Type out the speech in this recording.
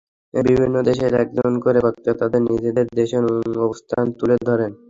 বিভিন্ন দেশের একজন করে বক্তা তাঁদের নিজেদের দেশের অবস্থান তুলে ধরেন।